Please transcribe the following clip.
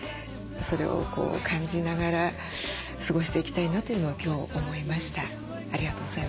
それを感じながら過ごしていきたいなというのは今日思いました。